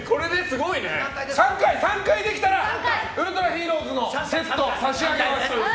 ３回できたらウルトラヒーローズのセットを差し上げます。